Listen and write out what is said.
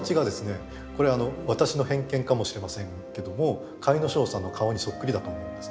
これあの私の偏見かもしれませんけども甲斐荘さんの顔にそっくりだと思うんです。